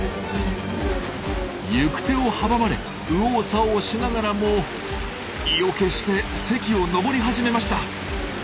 行く手を阻まれ右往左往しながらも意を決して堰を登り始めました。